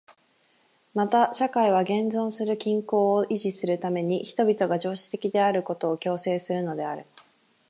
また社会は現存する均衡を維持するために人々が常識的であることを強制するのである。